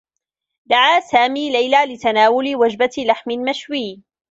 دعى سامي ليلى لتناول وجبة لحم مشوي.